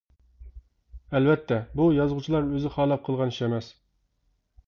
ئەلۋەتتە، بۇ يازغۇچىلار ئۆزى خالاپ قىلغان ئىش ئەمەس.